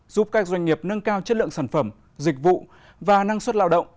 giúp các doanh nghiệp nâng cao chất lượng sản phẩm dịch vụ và năng suất lao động